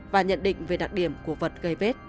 và nhận định về đặc điểm của vật gây vết